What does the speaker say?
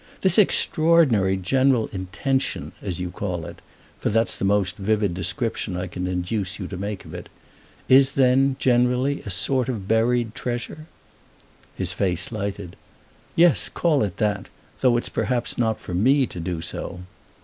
"This extraordinary 'general intention,' as you call it—for that's the most vivid description I can induce you to make of it—is then, generally, a sort of buried treasure?" His face lighted. "Yes, call it that, though it's perhaps not for me to do so."